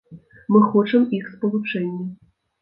Мы хочам іх спалучэння.